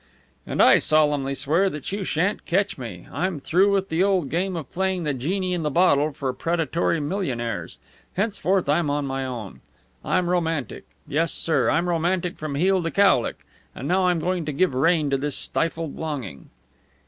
"And I solemnly swear that you shan't catch me. I'm through with the old game of playing the genie in the bottle for predatory millionaires. Henceforth I'm on my own. I'm romantic yes, sir I'm romantic from heel to cowlick; and now I'm going to give rein to this stifled longing."